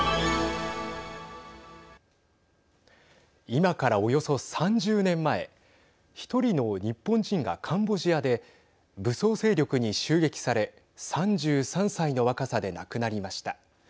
今から、およそ３０年前１人の日本人がカンボジアで武装勢力に襲撃され３３歳の若さで亡くなりました。